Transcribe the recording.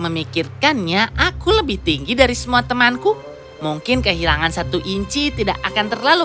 memikirkannya aku lebih tinggi dari semua temanku mungkin kehilangan satu inci tidak akan terlalu